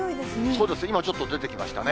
そうです、今ちょっと出てきましたね。